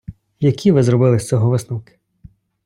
Які ви зробили з цього висновки?